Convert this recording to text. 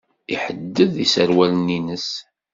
Iḥedded iserwalen-nnes.